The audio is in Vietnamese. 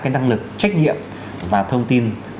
cái năng lực trách nhiệm và thông tin